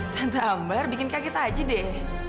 tante ambar bikin kaget aja deh